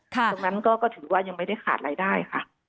ตรงนั้นก็ถือว่ายังไม่ได้ขาดรายได้ค่ะ